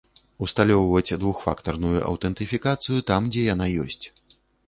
Усталёўваць двухфактарную аўтэнтыфікацыю, там дзе яна ёсць.